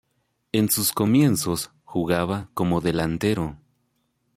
En sus comienzos jugaba como delantero.